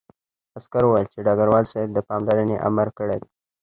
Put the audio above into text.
عسکر وویل چې ډګروال صاحب د پاملرنې امر کړی دی